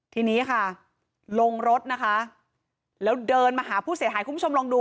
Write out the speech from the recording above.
ทีนี้ค่ะลงรถนะคะแล้วเดินมาหาผู้เสียหายคุณผู้ชมลองดู